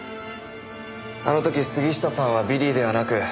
あの時杉下さんはビリーではなく。